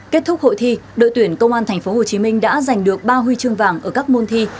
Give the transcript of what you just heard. kết thúc hội thi đội tuyển công an tp hcm đã giành được ba huy chương vàng ở các môn thi